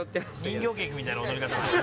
人形劇みたいな踊り方になる。